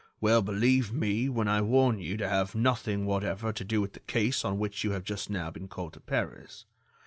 Well, believe me, when I warn you to have nothing whatever to do with the case on which you have just now been called to Paris.